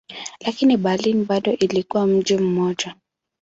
Lakini Berlin bado ilikuwa mji mmoja.